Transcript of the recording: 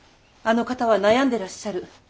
あの方は悩んでらっしゃる。